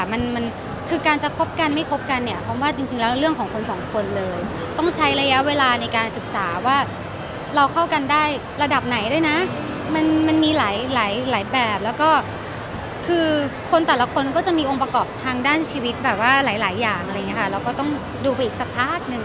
มันมันคือการจะคบกันไม่คบกันเนี่ยเพราะว่าจริงแล้วเรื่องของคนสองคนเลยต้องใช้ระยะเวลาในการศึกษาว่าเราเข้ากันได้ระดับไหนด้วยนะมันมันมีหลายหลายแบบแล้วก็คือคนแต่ละคนก็จะมีองค์ประกอบทางด้านชีวิตแบบว่าหลายหลายอย่างอะไรอย่างเงี้ค่ะเราก็ต้องดูไปอีกสักพักหนึ่ง